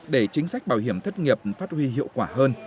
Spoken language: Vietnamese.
để chính sách bảo hiểm thất nghiệp phát huy hiệu quả hơn